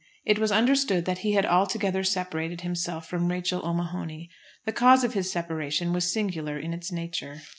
It was understood that he had altogether separated himself from Rachel O'Mahony. The cause of his separation was singular in its nature.